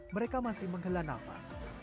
mereka masih menghela nafas